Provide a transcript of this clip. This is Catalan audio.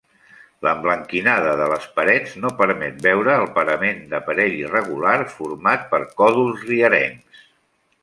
L'emblanquinada de les parets no permet veure el parament, d'aparell irregular format per còdols rierencs.